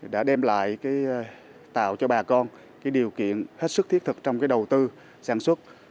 đã đem lại tạo cho bà con điều kiện hết sức thiết thực trong đầu tư sản xuất